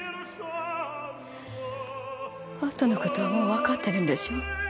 あとの事はもうわかってるんでしょう？